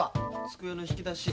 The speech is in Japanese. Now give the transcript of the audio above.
机の引き出し。